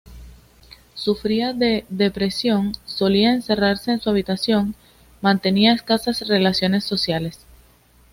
Sufría de depresión, solía encerrarse en su habitación, mantenía escasas relaciones sociales.